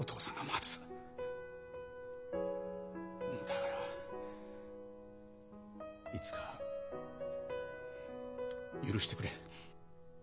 だからいつか許してくれ。